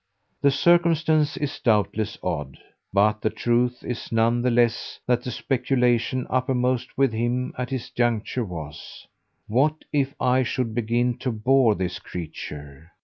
The circumstance is doubtless odd, but the truth is none the less that the speculation uppermost with him at this juncture was: "What if I should begin to bore this creature?"